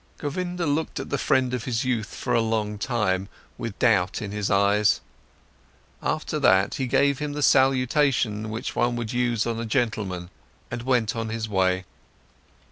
Govinda looked at the friend of his youth for a long time, with doubt in his eyes. After that, he gave him the salutation which one would use on a gentleman and went on his way.